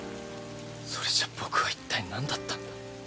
それじゃ僕は一体なんだったんだ。